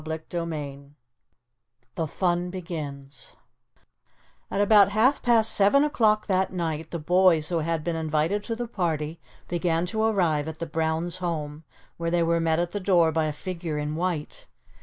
CHAPTER II THE FUN BEGINS At about half past seven o'clock that night the boys who had been invited to the party began to arrive at the Brown's home where they were met at the door by a figure in white.